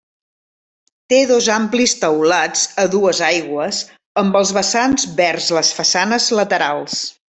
Té dos amplis teulats a dues aigües amb els vessants vers les façanes laterals.